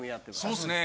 そうですね。